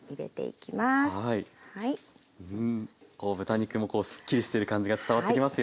豚肉もこうすっきりしてる感じが伝わってきますよ。